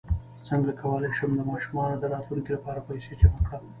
څنګ کولی شم د ماشومانو د راتلونکي لپاره پیسې جمع کړم